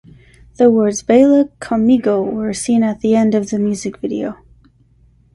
The words "baila conmigo" were seen at the end of the music video.